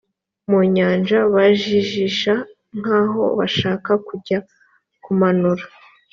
mu nyanja bajijisha nk aho bashaka kujya kumanura